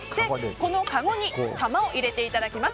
このかごに玉を入れていただきます。